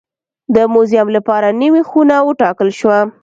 د موزیم لپاره نوې خونه وټاکل شوه.